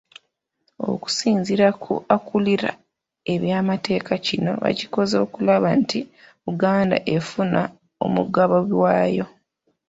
Okusinziira ku akulira ebyamateeka kino bakikoze okulaba nti Buganda efuna omugabo gw'ayo.